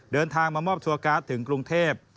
เดินทางมามอบทัวร์การ์ดถึงกรุงเทพ